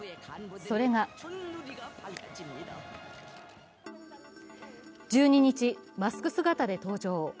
それが１２日、マスク姿で登場。